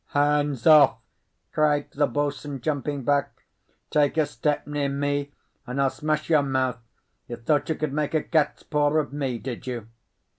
"Hands off!" cried the boatswain, jumping back. "Take a step near me, and I'll smash your mouth. You thought you could make a cat's paw of me, did you?"